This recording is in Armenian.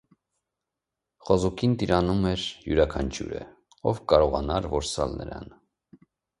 Խոզուկին տիրանում էր յուրաքանչյուրը, ով կկարողանար որսալ նրան։